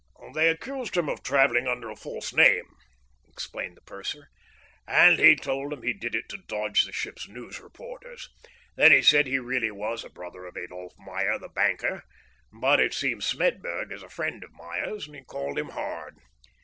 "They accused him of travelling under a false name," explained the purser, "and he told 'em he did it to dodge the ship's news reporters. Then he said he really was a brother of Adolph Meyer, the banker; but it seems Smedburg is a friend of Meyer's, and he called him hard!